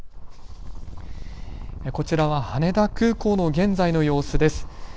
こちらは羽田空港の現在の様子です。